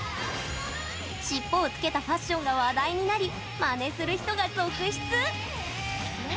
しっぽをつけたファッションが話題になりまねする人が続出。